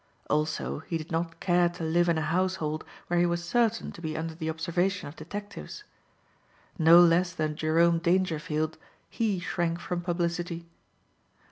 Also he did not care to live in a household where he was certain to be under the observation of detectives. No less than Jerome Dangerfield he shrank from publicity.